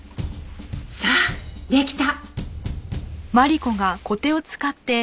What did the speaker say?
さあできた。